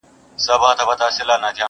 ګل د ګلاب بوی د سنځلي!!